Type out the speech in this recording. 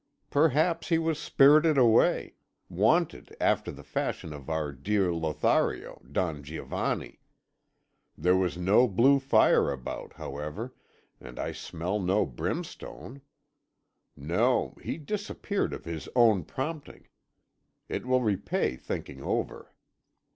"Perhaps he was spirited away wanted, after the fashion of our dear Lothario, Don Giovanni. There was no blue fire about, however, and I smell no brimstone. No he disappeared of his own prompting; it will repay thinking over.